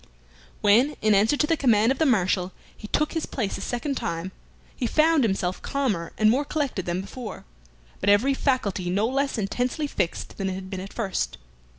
When, in answer to the command of the Marshal, he took his place a second time, he found himself calmer and more collected than before, but every faculty no less intensely fixed than it had been at first.